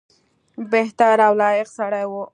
بهتر او لایق سړی وو.